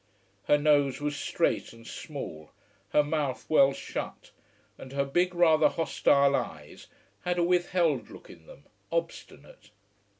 Her nose was straight and small, her mouth well shut. And her big, rather hostile eyes had a withheld look in them, obstinate.